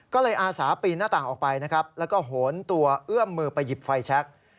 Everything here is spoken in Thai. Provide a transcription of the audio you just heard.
ก็เลยอาสาปีนหน้าต่างออกไปนะครับแล้วก็โหนตัวเอื้อมมือไปหยิบไฟแชค